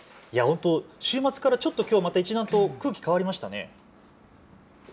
週末からちょっと空気、変わりましたね。